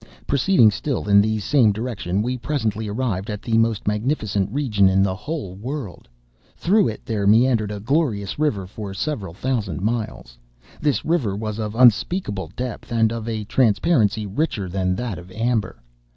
"Proceeding still in the same direction, we presently arrived at the most magnificent region in the whole world. Through it there meandered a glorious river for several thousands of miles. This river was of unspeakable depth, and of a transparency richer than that of amber.